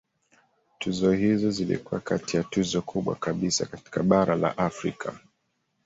Tuzo hizo zilikuwa kati ya tuzo kubwa kabisa katika bara la Afrika.